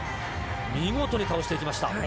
見事に倒していきました。